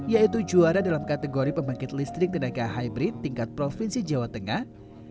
yaitu juara dalam kategori pembangkit listrik tenaga hybrid tingkat provinsi jawa tengah